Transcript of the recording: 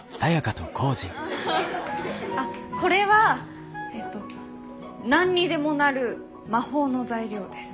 あっこれはえっと何にでもなる魔法の材料です。